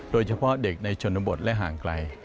โดยเฉพาะเด็กในชนบทและห่างไกล